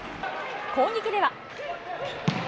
攻撃では。